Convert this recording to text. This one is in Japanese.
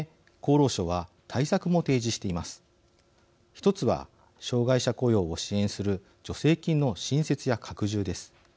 １つは障害者雇用を支援する助成金の新設や拡充です。